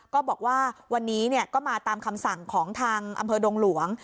ก็บอกว่าวันนี้ก็มาตามคำสั่งของทางอำเภอดงหลวง